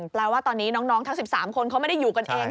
แปลว่าตอนนี้น้องทั้ง๑๓คนเขาไม่ได้อยู่กันเอง